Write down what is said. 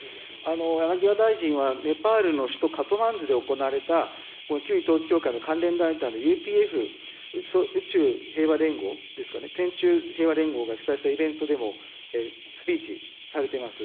山際大臣は、ネパールの首都カトマンズで行われた、旧統一教会の関連団体のＵＰＦ・宇宙平和連合ですかね、天宙平和連合が主催したイベントでも、スピーチされてます。